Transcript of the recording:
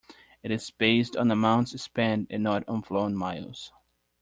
It is based on amounts spent and not on flown miles.